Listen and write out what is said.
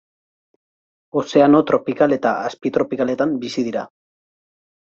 Ozeano tropikal eta azpitropikaletan bizi dira.